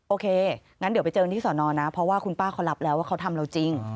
โอเคงั้นเดี๋ยวไปเจอกันที่สอนอนะเพราะว่าคุณป้าเขารับแล้วว่าเขาทำเราจริง